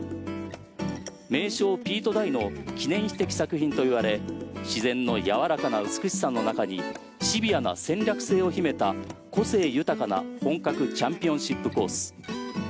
名匠、ピート・ダイの記念碑的作品といわれ自然のやわらかな美しさの中にシビアな戦略性を秘めた個性豊かな本格チャンピオンシップコース。